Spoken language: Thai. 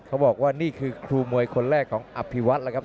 เขาบอกว่านี่คือครูมวยคนแรกของอภิวัตแล้วครับ